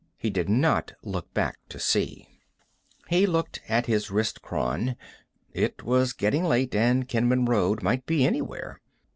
He did not look back to see. He looked at his wristchron. It was getting late, and Kenman Road might be anywhere.